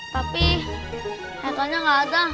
tapi heikalnya gak ada